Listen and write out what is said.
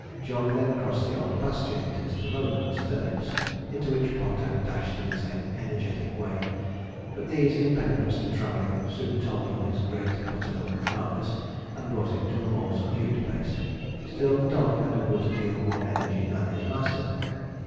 Jog then crossed the old pasture into Mr. Lowland's turnips, into which Ponto dashed in the same energetic way, but these impediments to travelling soon told on his great buttermilk carcass, and brought him to a more subdued pace; still, the dog had a good deal more energy than his master.